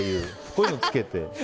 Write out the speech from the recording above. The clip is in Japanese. こういうのつけて。